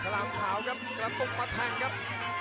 ลามขาวครับกระตุกมาแทงครับ